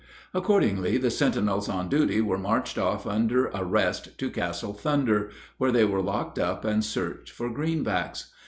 Accordingly the sentinels on duty were marched off under arrest to Castle Thunder, where they were locked up and searched for "greenbacks."